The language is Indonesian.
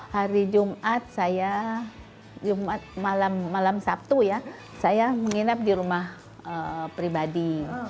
hari jumat saya malam sabtu ya saya menginap di rumah pribadi